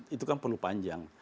itu kan perlu panjang